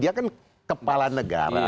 dengan kepala negara